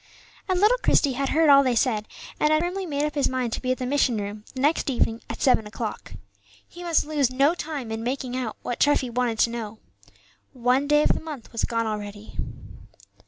And little Christie had heard all they said, and had firmly made up his mind to be at the mission room the next evening at seven o'clock. He must lose no time in making out what Treffy wanted to know. One day of the month was gone already.